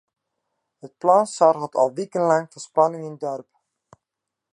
It plan soarget al wikenlang foar spanning yn it doarp.